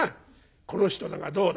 『この人だがどうだ？』。